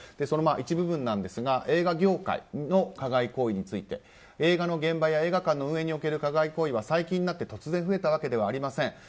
その一部分ですが映画業界の加害行為について映画の現場や映画館の運営における加害行為は最近になって突然増えたわけではありません。